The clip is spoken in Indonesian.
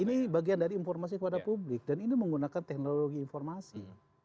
ini bagian dari informasi kepada publik dan ini menggunakan teknologi informasi